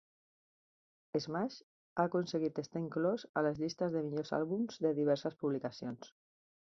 "Smash" ha aconseguit estar inclòs a les llistes de millors àlbums de diverses publicacions.